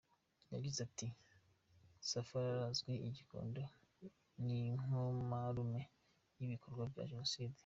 Yagize ati “Safari arazwi i Gikondo nk’inkomarume y’ibikorwa bya Jenoside.